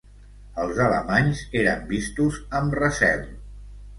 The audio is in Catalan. Els alemanys eren vistos amb recel.